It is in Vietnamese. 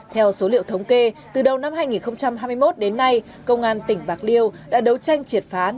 theo số liệu thống kê từ đầu năm hai nghìn hai mươi một đến nay công an tỉnh bạc liêu đã đấu tranh triệt phá